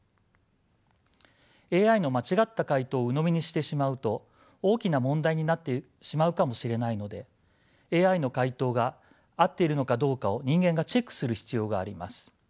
ＡＩの間違った回答をうのみにしてしまうと大きな問題になってしまうかもしれないのでＡＩの回答が合っているのかどうかを人間がチェックする必要があります。